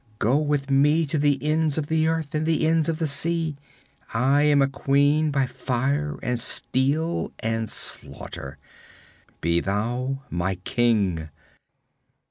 Go with me to the ends of the earth and the ends of the sea! I am a queen by fire and steel and slaughter be thou my king!'